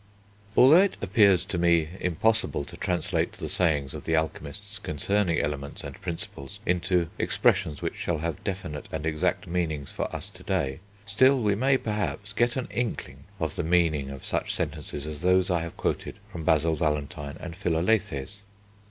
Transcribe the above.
Although it appears to me impossible to translate the sayings of the alchemists concerning Elements and Principles into expressions which shall have definite and exact meanings for us to day, still we may, perhaps, get an inkling of the meaning of such sentences as those I have quoted from Basil Valentine and Philalethes.